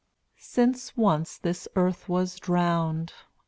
222 Since once this earth was drowned.